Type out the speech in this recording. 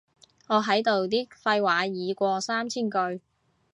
我喺度啲廢話已過三千句